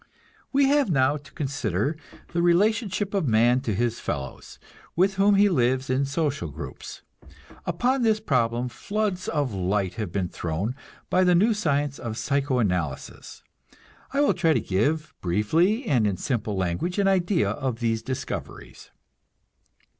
We have now to consider the relationship of man to his fellows, with whom he lives in social groups. Upon this problem floods of light have been thrown by the new science of psycho analysis. I will try to give, briefly and in simple language, an idea of these discoveries.